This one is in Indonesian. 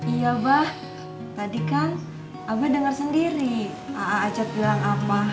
iya bah tadi kan abah dengar sendiri ajat bilang apa